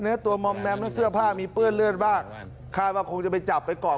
นี่ตัวมองแม่มหรือเสื้อผ้ามีเปลื้อนเลื่อนบ้างค่าว่าคงจะไปจับไปเกาะ